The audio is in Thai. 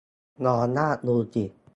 ลองลากดูสิ